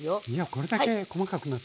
これだけ細かくなって。